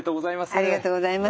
ありがとうございます。